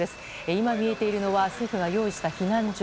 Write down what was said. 今見えているのは政府が用意した避難所。